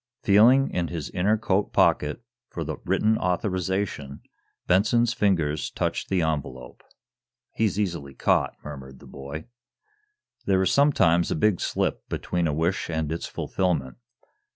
Feeling in his inner coat pocket for the written authorization, Benson's fingers touched the envelope. "He's easily caught;" murmured the boy. There is sometimes a big slip between a wish and its fulfillment.